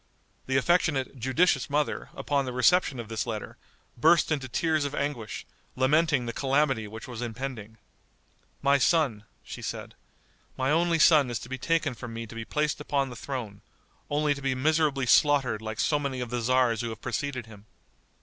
The affectionate, judicious mother, upon the reception of this letter, burst into tears of anguish, lamenting the calamity which was impending. "My son," she said, "my only son is to be taken from me to be placed upon the throne, only to be miserably slaughtered like so many of the tzars who have preceded him."